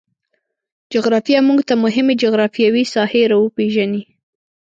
جغرافیه موږ ته مهمې جغرفیاوې ساحې روپیژني